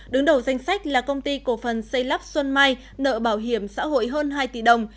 đứng đầu danh sách là công ty cổ phần xây lắp xuân mai nợ bảo hiểm xã hội hơn hai tỷ đồng